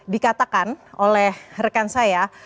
yang tadi dikatakan oleh rekan saya